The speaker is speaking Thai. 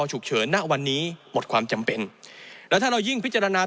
ฉุกเฉินณวันนี้หมดความจำเป็นแล้วถ้าเรายิ่งพิจารณา